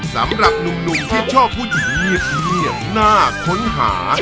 สำหรับหนุ่มที่ชอบผู้หญิงเหนียดเหนียดหน้าค้นหา